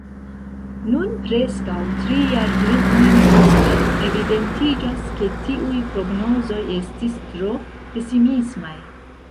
Nun, preskaŭ tri jardekojn poste, evidentiĝas ke tiuj prognozoj estis tro pesimismaj.